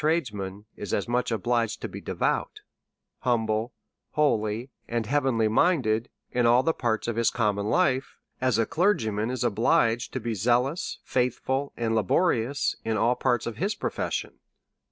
109 tradesman is as much obliged to be devout, humble, holy, and heavenly minded, in all the parts of his common life, as a clergyman is obliged to be zealous, faithful, and laborious in all parts of his profession.